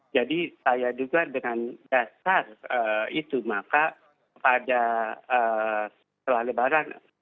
saya juga dengan dasar itu maka pada setelah lebaran